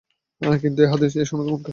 কিন্তু এ হাদীস এই সনদে মুনকার।